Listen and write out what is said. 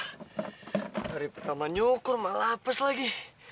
hari pertama nyukur malah apes lagi